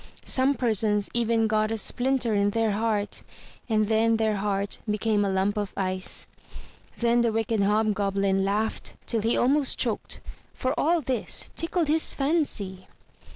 Some persons even got a splinter in their heart, and then their heart became a lump of ice. Then the wicked Hobgoblin laughed till he almost choked, for all this tickled his fancy.